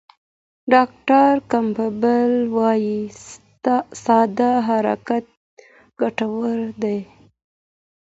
ډاکټر کمپبل وايي ساده حرکت ګټور دی.